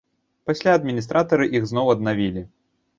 Пасля адміністратары іх зноў аднавілі.